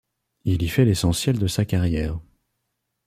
Il y fait l'essentiel de sa carrière.